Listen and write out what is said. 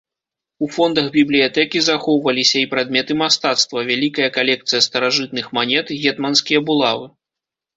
У фондах бібліятэкі захоўваліся і прадметы мастацтва, вялікая калекцыя старажытных манет, гетманскія булавы.